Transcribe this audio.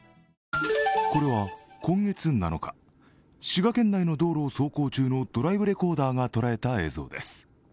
これは今月７日、滋賀県内の道路を走行中のドライブレコーダーが捉えた映像です。